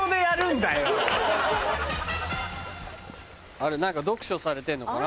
あれ何か読書されてんのかな？